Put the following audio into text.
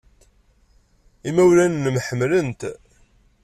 Imawlan-nnem ḥemmlen-t.